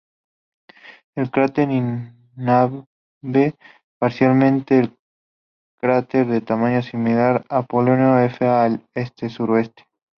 El cráter invade parcialmente el cráter de tamaño similar "Apolonio F" al este-sureste.